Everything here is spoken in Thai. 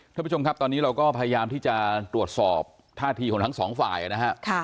ท่านผู้ชมครับตอนนี้เราก็พยายามที่จะตรวจสอบท่าทีของทั้งสองฝ่ายนะฮะ